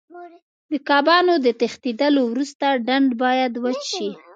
د کبانو د تښتېدلو وروسته ډنډ باید وچ شي.